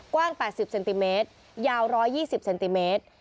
กว้าง๘๐เซนติเมตรยาว๑๒๐เซนติเมตร